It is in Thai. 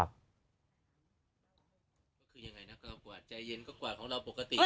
ก็คือยังไงนะก็กวาดใจเย็นก็กวาดของเราปกติ